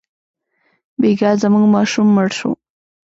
بېګا زموږ ماشوم مړ شو.